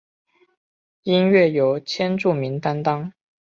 音乐由千住明担当。